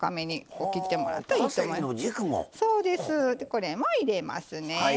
これも入れますね。